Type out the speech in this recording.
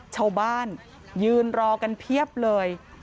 ชาวบ้านยืนรอกันเพียบเลย